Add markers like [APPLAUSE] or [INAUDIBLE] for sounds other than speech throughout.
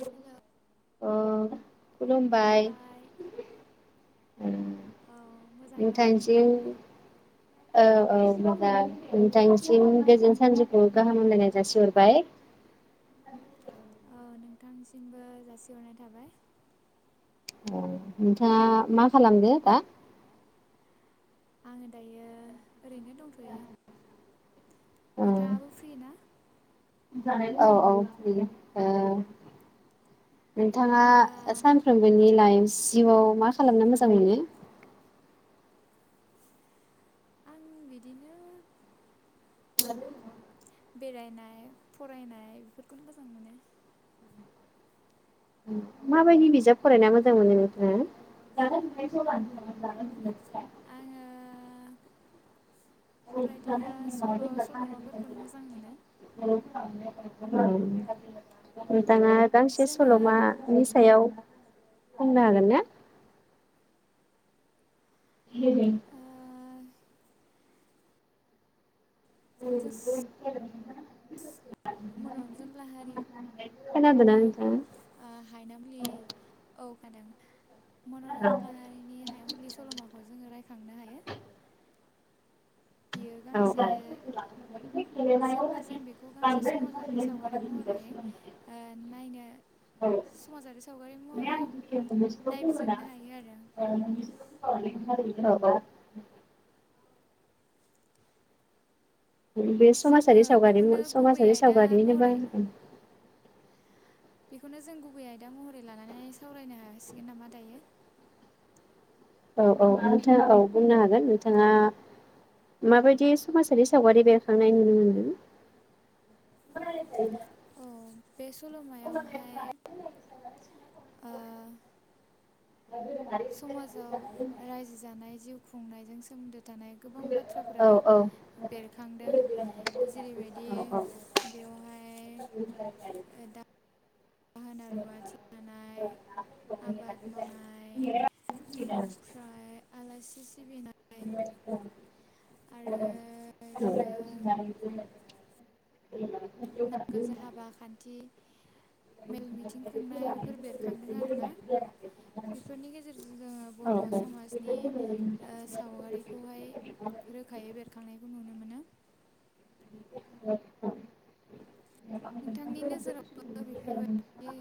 हेल' खुलुमबाय औ मोजांना नोंथांनि? औ औ मोजां नोंथांनिसिम गोजोन सानजौफुनि गाहाम हमलायनाय जासिहरबाय। औ नोंथांसिमबो जासिहरनाय थाबाय। औ नोंथाङा मा खालामदो दा? आङो दायो ओरैनो दंथ'यो। नोंथाङाबो फ्रि ना? औ औ बियो ओ नोंथाङा सानफ्रोमबोनि लाइभ जिउआव मा खालामनो मोजां मोनो? आं बिदिनो बेरायनाय फरायनाय बेफोरखौनो मोजां मोनो। माबायदि बिजाब फरायना मोजां मोनो नोंथाङा? [UNINTELLIGIBLE] औ। दाङा गांसे सल'मानि सायाव बुंनो हागोनना? [UNINTELLIGIBLE] [UNINTELLIGIBLE] [INAUDIBLE] खोनादों ना नोंथां? [INAUDIBLE] खोनादों। मन'रन्जन लाहारिनि हायावुलि सल'माखौ जोङो रायखांनो हायो। बियो गांसे जेनेबा जों बेखौ गांसे समाजारि सावगारि महरै ओ नायनो समाजारि सावगारि महरै नायबिजिरनो हायो आरो। औ औ। बे समाजारि सावगारि समाजारि सावगारिगोबां ओं बेखौनो जों गुबै आयदा महरै लानानै सावरायनो हासिगोन नामा दायो? औ औ नोंथाङा औ बुंनो हागोन नोंथाङा माबायदि समाजारि सावगारि बेरखांनाय नुनो मोन्दों औ बे सल'मायावहाय ओ समाजाव रायजो जानाय जिउ खुंनायजों सोमोन्दो थानाय गोबां बाथ्राफोरा बेरखांदों जेरैबायदि बेवहाय ओ दा दाहोना रुवाथि थानाय आबाद मावनाय ओमफ्राय आलासि [UNINTELLIGIBLE] नांगोलजों हाबा खान्थि मेल मिथिं खुंनाय बेफोर बेरखांदों आरोना बेफोरनि गेजेरजों जोङो बर' समाजनि ओ सावगारिखौहाय रोखायै बेरखांनायखौ नुनो मोनो [UNINTELLIGIBLE] नोंथांनि नोजोरावबो बेफोरबायदि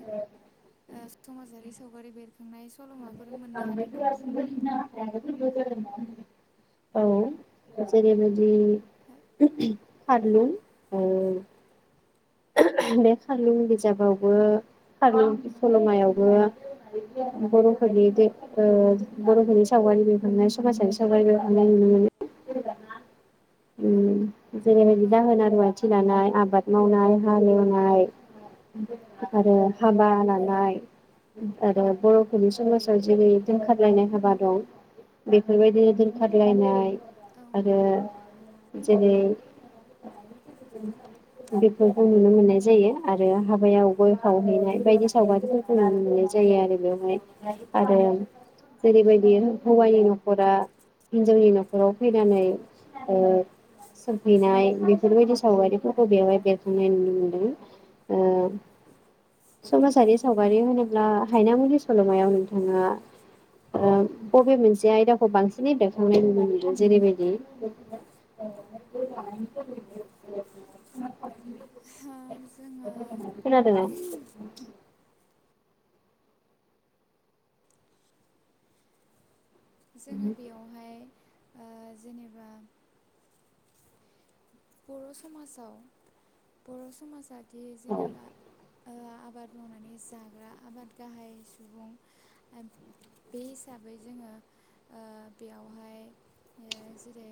ओ समाजारि सावगारि बेरखांनाय सल'माफोर [UNINTELLIGIBLE] [UNINTELLIGIBLE] फारलुंओ बे खारलुं बिजाबावबो खारलुं सल'मायावबो बर'फोरनि बे ओ बर'फोरनि सावगारि बेरखांनाय समाजारि सावगारि बेरखांनाय नुनो मोनो। जेरैबायदि दाहोना रुवाथि लानाय आबाद मावनाय हालेवनाय आरो हाबा लानाय आरो बर'फोरनि समाजाव जेरै दोनखारलायनाय हाबा दं बेफोरबायदिनो दोनखारलायनाय आरो जेरै बेखौबो नुनो मोननाय जायो आरो हाबायाव गय खावहैनाय बायदि सावगारिफोरखौ नुनो मोननाय जायो आरो बेवहाय आरो जेरैबायदि हौवानि न'खरा हिनजावनि न'खराव फैनानै ओ सोंफैनाय बेफोरबायदि सावगारिफोरखौ बेवहाय बेरखांनाय नुनो मोनदों। ओ समाजारि सावगारि होनोब्ला हायना मुुलि सल'मायाव नोंथाङा बबे मोनसे आयदाखौ बांसिनै बेरखांनाय नुनो मोनो जेरैबायदि [UNINTELLIGIBLE] जोङो जोङो बेयावहाय ओ जेनेबा बर' समाजाव बर' समाजा बे जेनेबा आबाद मावनानै जाग्रा आबाद गाहाय सुबुं बे हिसाबै जोङो ओ बेयावहाय जेरै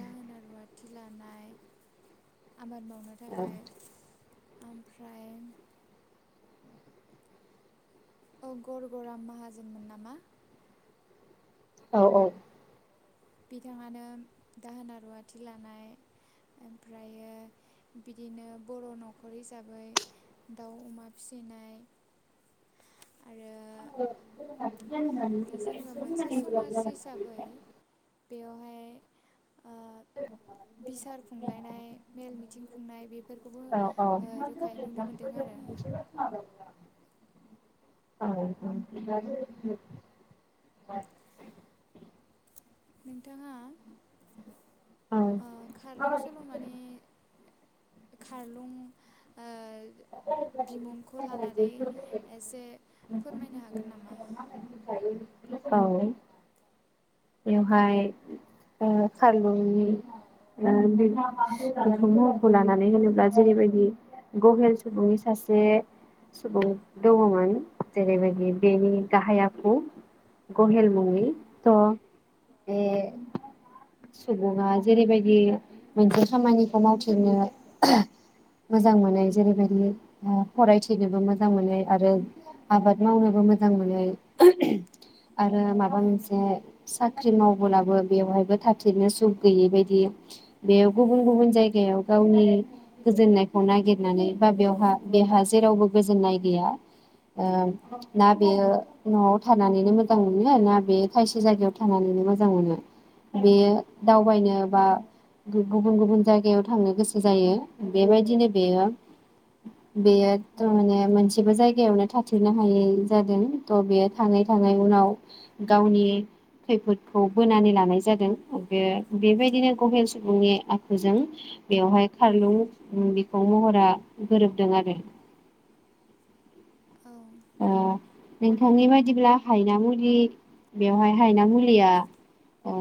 दाहोना रुवाथि ला आबाद मावनो थाखाय ओमफ्राय औ गरगराम माहाजोनमोन नामा? औ -औ बिथाङानो दाहोना रुवाथि लानाय ओमफ्रायो बिदिनो बर' न'खर हिसाबै दाउ अमा फिसिनाय आरो [UNINTELLIGIBLE] [UNINTELLIGIBLE] बेवहाय ओ बिसार खुंलायनाय मेल मिथिं खुंनाय बेफोरखौबो रोखायै नुनो मोनदों आरो औ [UNINTELLIGIBLE] नोंथाङा खारलुं सल'मानि खारलुं बिमुंखौ लानानै एसे फोरमायनो हागोन नामा? औ बेवहाय खारलुंनि महरखौ लानानै होनोब्ला जेरैबायदि गहेल सुबुंनि सासे सुबुं दङमोन जेरैबायदि बेनि गाहाय आखु ग'हल मुंनि त बे सुबुङा जेरैबायदि मोनसे खामानिखौ मावथिनो मोजां मोनो जेरैबायदि बि फरायथिनोबो मोजां मोनो आरो आबाद मावनोबो मोजां मोनो आरो माबा मोनसे साख्रि मावबोलाबो बेवहायबो थाथेरनो सख गैयै बायदि बेयाव गुबुन गुबुन जायगायाव गावनि गोजोननायखौ नागिरनानै बा बेवहा बेहा जेरावबो गोजोननाय गैया ओ ना बेयो न'आव थानानैनो मोजां मोनो ना बे खायसे जायगायाव थानानैनो मोजां मोनो बेयो दावबायनो बा [INAUDIBLE] गुबुन गुबुन जायगायाव थांनो गोसो जायो बेबायदिनो बेयो बेयो थारमाने मोनसेबो जायगायावनो थाथेरनो हायै जादों थ बेयो थाङै थाङै उनाव गावनि खैफोदखौ बोनानै लानाय जादों बे बेबायदिनो गहेन सुबुंनि आखुजों बेवहाय खारलुं बेफाव महरा गोरोबदों आरो। ओ नोंथांनि बायदिब्ला हायना मुलि बेवहाय हायना मुलिया ओ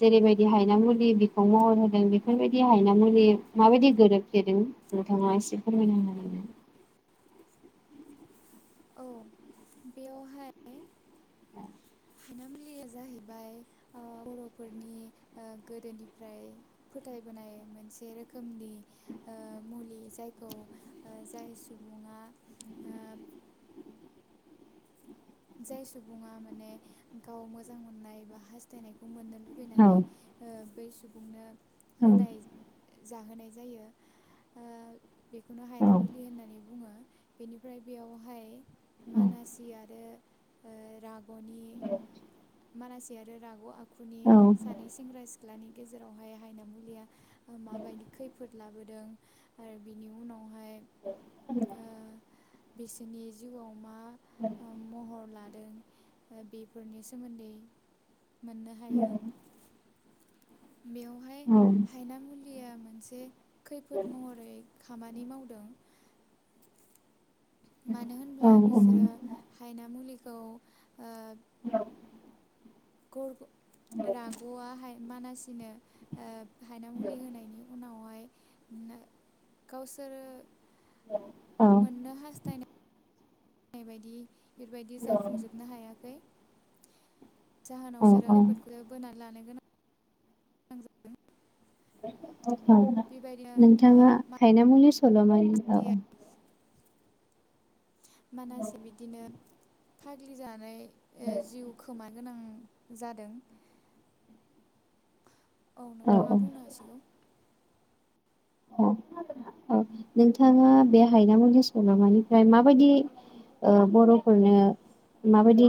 जेरैबायदि हायना मुलि बिखुं महर होदों बेफोरबायदि हायना मुलि माबायदि गोरोबफ्लेदों नोंथाङा एसे फोरमायना होगोन नामा? औ बेवहाय हायना मुलिया जाहैबाय ओ बर'फोरनि ओ गोदोनिफ्राय फोथायबोनाय मोनसे रोखोमनि ओ मुलि जायखौ ओ जाय सुबुङा जाय सुबुङा माने गाव मोजां मोननाय बा हास्थायनायखौ मोननो लु लुबैनानै ओ बै सुबुंनो होनाय। जाहोनाय जायो ओ बेखौनो हायना मुलि होननानै बुङो। बेनिफ्राय बेयावहाय मानासि आरो ओ राग औ। मानासि आरो रागाव आखु दुखुनि सानै सेंग्रा सिख्ला सिख्लानि गेजेरावहाय हायना मुलिया माबायदि खैफोद लाबोद दोन आरो बिनि उनाव [UNINTELLIGIBLE] बिसोरनि जिउआव लादो बेफोरनि सोमोन्दै मोननो हायो। बेवहाय हायना मुलियामोन मोनसे खैफोद महरै खामानि मावदों। मानो होनब्ला बिसोरो हायना मुलि औ ओ। [UNINTELLIGIBLE] गरग रागुआ हाय मानास सिनो। ओ हायना मुलि होनायनि उनावहाय। नो गावसोर मोननो हास्थाय नाय बायदि बेबायदि जाफुंजोबनो हायाखै जाहोनाव बिसोरो खैफोदखौ बोनानै लादों [UNINTELLIGIBLE] [UNINTELLIGIBLE] औ नोंथाङा हायनामुलि सलमानि औ मानासि बिदिनो फाग्लि जानाय ओ जिउ खोमा गोनां जादों औ नोंथाङा बुंनो हासिगौ औ नोंथाङा बे हायनामुलि सलमानिफ्राय माबायदि ओ बरफोरनो माबायदि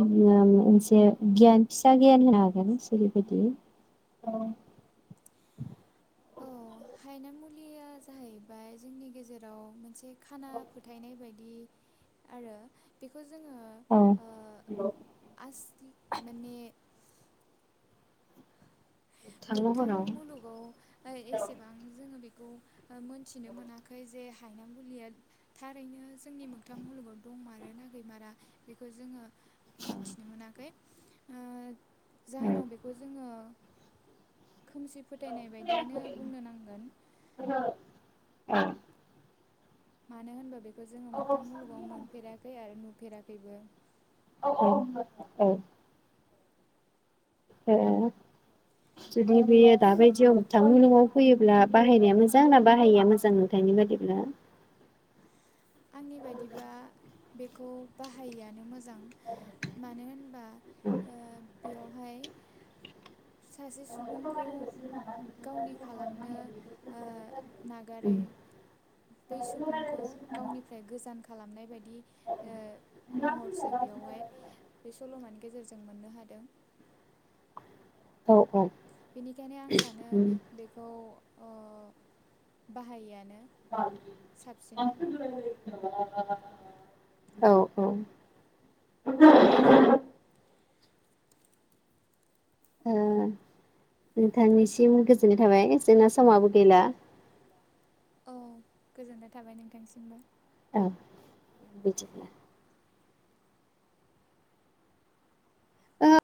मोनसे गियान फिसा गियान होनो हागोन जेरैबायदियै औ हायना मुलिया जाहैबाय जोंनि गेजेराव मोनसे खाना फोथायनाय बायदि आरो बेखौ जोङो ओ आसलि माने मोगथां मुलुगाव ओ एसेबां जोङो बे खौ मोनथिनो मोनाखै जे हायनामुलिया थारैनो जोंनि मोगथां मुलुगाव दंमारो ना गैमारा बेखौ जोङो मोनथिनो मोनाखै ओ जाहोनाव बेखौ जोङो खोमसि फोथायनाय बायदियानो बुंनो नांगोन ओं मानो होनबा बेख खौ जोङो मोगथां मलुगाव मोनफेराखै आरो नु फेराखैबो औ ए ए जुदि बेयो दाबायदियाव मोगथां मुलुगाव फैयोब्ला बाहायनाया मोजां ना बाहायैया मोजां नोंथांनि बादिब्ला? बेखौ बाहायैआनो मोजां मोजां मानो होनबा ओ बेयावहाय सासे सुबुंखौ गावनि खालामनो ओ नागारै बै सुबुंखौ गावनिफ्राय गोजान खालामनाय बायदि ओ महरसो बेयावहाय बे सल'मानि गेजेरजों मोननो हादों। औ औ। बेनिखायनो आं सानो बेखौ अ बाहायैआनो [UNINTELLIGIBLE] औ औ। ओ नोंथांनिसिम गोजोननाय थाबाय जोंना समाबो गैला। औ गोजोननाय थाबाय नोंथांसिमबो। औ। ओ